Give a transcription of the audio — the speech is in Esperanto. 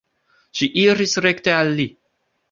Ŝi iris rekte al li.